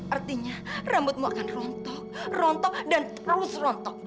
artinya rambutmu akan rontok rontok dan terus rontok